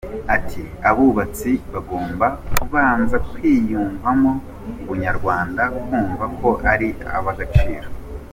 Ati “Abubatsi bagomba kubanza kwiyumvamo ubunyarwanda, kumva ko ari ab’agaciro.